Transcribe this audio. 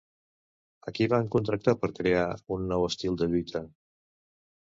A qui van contractar per crear un nou estil de lluita?